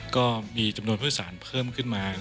ก็มีจำนวนผู้โดยสารเพิ่มขึ้นมา